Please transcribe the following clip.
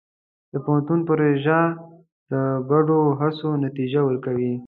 د پوهنتون پروژې د ګډو هڅو نتیجه ورکوي.